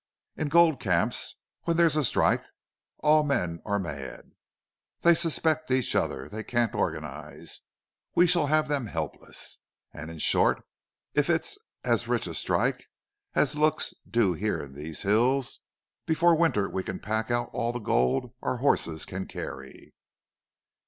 In gold camps, when there's a strike, all men are mad. They suspect each other. They can't organize. We shall have them helpless.... And in short, if it's as rich a strike as looks due here in these hills, before winter we can pack out all the gold our horses can carry."